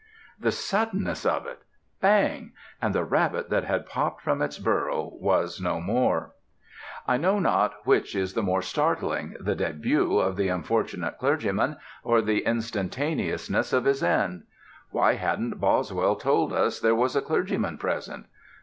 The suddenness of it! Bang! and the rabbit that had popped from its burrow was no more. I know not which is the more startling the début of the unfortunate clergyman, or the instantaneousness of his end. Why hadn't Boswell told us there was a clergyman present?